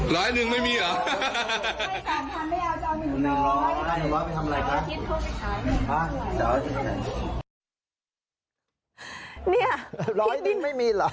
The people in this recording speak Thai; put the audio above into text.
ร้อยหนึ่งไม่มีเหรอ